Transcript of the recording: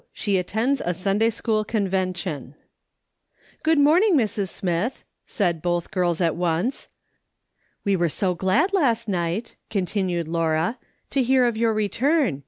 SHE ATTENDS A SUNDAY SCHOOL CONVENTION. "Good morning, Mrs. Smith," said both girls at once. " We were so glad last night," continued Laura, " to hear of your return.